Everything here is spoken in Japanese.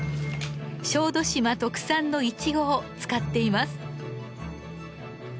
小豆島特産のイチゴを使っています。